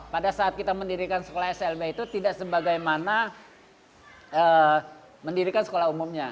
pada saat kita mendirikan sekolah slb itu tidak sebagaimana mendirikan sekolah umumnya